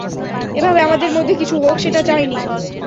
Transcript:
এভাবে আমাদের মধ্যে কিছু হোক সেটা চাইনি!